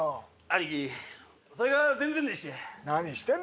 兄貴それが全然でして。